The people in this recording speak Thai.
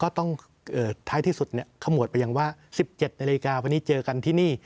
ท้ายที่สุดขมวดไปยังว่า๑๗นาฬิกาวันนี้เจอกันที่นี่